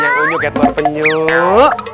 yang unyu ketlor penyuk